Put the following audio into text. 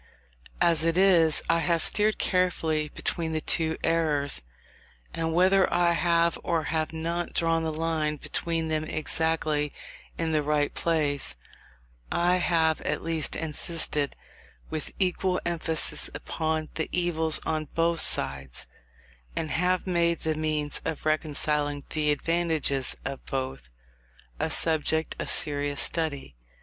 As it is, I have steered carefully between the two errors, and whether I have or have not drawn the line between them exactly in the right place, I have at least insisted with equal emphasis upon the evils on both sides, and have made the means of reconciling the advantages of both, a subject of serious study.